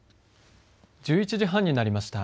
１１時半になりました。